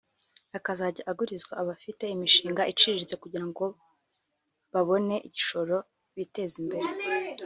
akazajya agurizwa abafite imishinga iciriritse kugira ngo babone igishoro biteze imbere